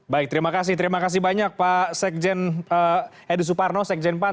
baik terima kasih terima kasih banyak pak sekjen edi suparno sekjen pan